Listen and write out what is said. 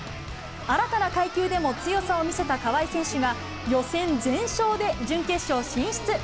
新たな階級でも強さを見せた川井選手が、予選全勝で準決勝進出。